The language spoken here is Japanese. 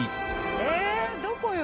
ええどこよ？